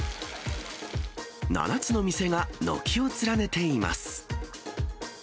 ７つの店が軒を連ねています。